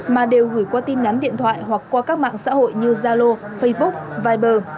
mà đều gửi qua tin nhắn điện thoại hoặc qua các mạng xã hội như zalo facebook viber